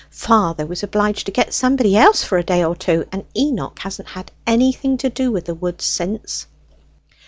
Father was obliged to get somebody else for a day or two, and Enoch hasn't had anything to do with the woods since."